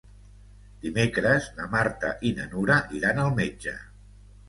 Dimecres na Marta i na Nura iran al metge.